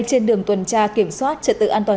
trên đường tuần tra kiểm soát trật tự an toàn